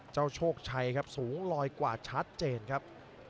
โชคชัยครับสูงลอยกว่าชัดเจนครับ